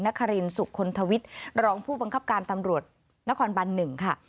นครินสุขลทวิทย์รองผู้บังคับการตำรวจนครบัน๑ค่ะ